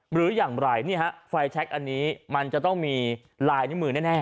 หรืออย่างไรนี่ฮะไฟแชคอันนี้มันจะต้องมีลายนิ้วมือแน่